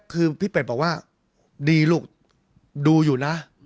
คือพี่เป็ดบอกว่าดีลูกดูอยู่นะ